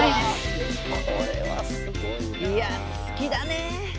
いや好きだねえ